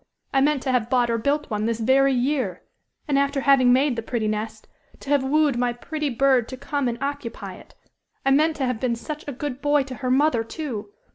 I meant to have bought or built one this very year. And after having made the pretty nest, to have wooed my pretty bird to come and occupy it. I meant to have been such a good boy to her mother, too!